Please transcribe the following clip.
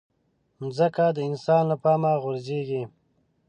مځکه د انسان له پامه غورځيږي.